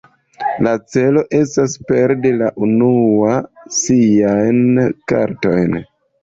La celo estas perdi la unua siajn kartojn.